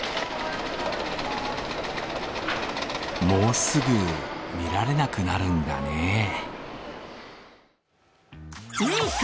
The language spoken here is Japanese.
もうすぐ見られなくなるんだねぇ。